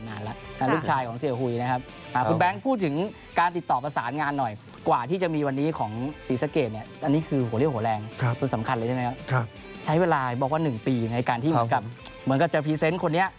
ในการที่เหมือนกับจะพรีเซนต์คนนี้